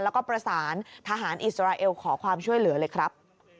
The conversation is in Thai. แล้วก็ประสานทหารอิสราเอลขอความช่วยเหลือเลยครับ